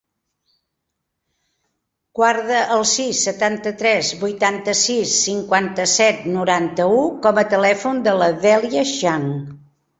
Guarda el sis, setanta-tres, vuitanta-sis, cinquanta-set, noranta-u com a telèfon de la Dèlia Xiang.